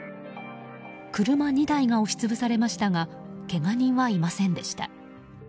車２台が押し潰されましたがけが人はいませんでした。